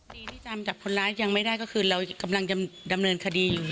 ดีที่จำจับคนร้ายยังไม่ได้ก็คือเรากำลังจะดำเนินคดี